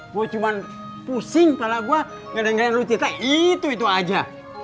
gua cuma pusing kalau gua gak dengerin lu cerita itu itu aja